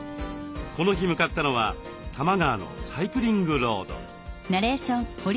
この日向かったのは多摩川のサイクリングロード。